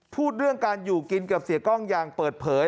พูดเรื่องการอยู่กินกับเสียกล้องอย่างเปิดเผย